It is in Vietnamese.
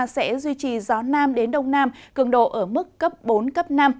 sẽ duy trì gió nam đến đông nam cường độ ở mức cấp bốn cấp năm